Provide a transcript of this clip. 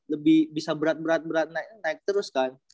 lebih bisa berat berat berat naik terus kan